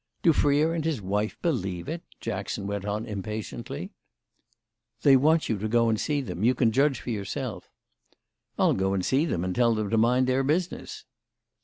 "Do Freer and his wife believe it?" Jackson went on impatiently. "They want you to go and see them. You can judge for yourself." "I'll go and see them and tell them to mind their business."